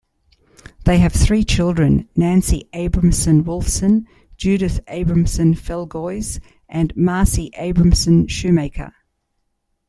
They have three children: Nancy Abramson Wolfson, Judith Abramson Felgoise and Marcy Abramson Shoemaker..